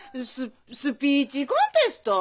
スピーチコンテスト？